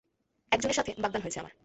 একজনের সাথে বাগদান হয়েছে আমার।